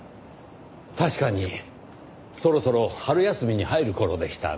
確かにそろそろ春休みに入る頃でしたねぇ。